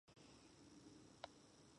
You’re not quite a heathen.